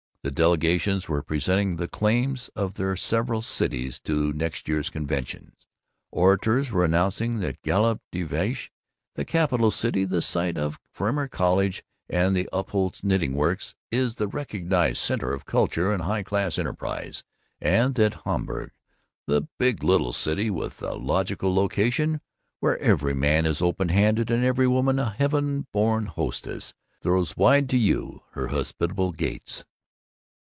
The delegations were presenting the claims of their several cities to the next year's convention. Orators were announcing that "Galop de Vache, the Capital City, the site of Kremer College and of the Upholtz Knitting Works, is the recognized center of culture and high class enterprise;" and that "Hamburg, the Big Little City with the Logical Location, where every man is open handed and every woman a heaven born hostess, throws wide to you her hospitable gates."